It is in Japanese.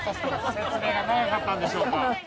◆説明が長かったんでしょうか。